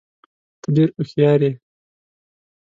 ته ډېر هوښیار یې.